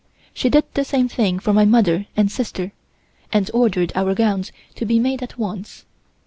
She did the same thing for my mother and sister, and ordered our gowns to be made at once.